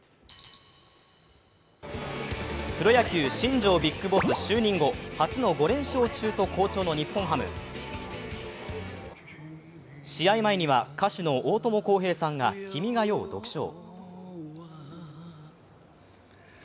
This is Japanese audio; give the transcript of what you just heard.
プロ野球、新庄ＢＩＧＢＯＳＳ就任後、初の５連勝中と好調の日本ハム。試合前には歌手の大友康平さんが「君が代」を独唱。